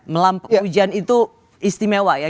melampau hujan itu istimewa ya